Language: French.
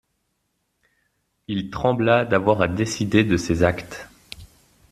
Il trembla d'avoir à décider de ses actes.